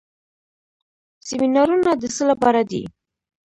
سیمینارونه د څه لپاره دي؟